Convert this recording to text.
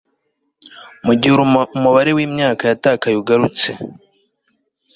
mugihe umubare wimyaka yatakaye wagurutse